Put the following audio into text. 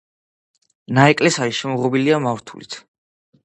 ნაეკლესიარი შემოღობილია მავთულით.